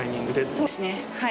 そうですね。